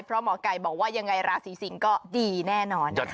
เพราะหมอไก่บอกว่ายังไงราศีสิงศ์ก็ดีแน่นอนนะคะ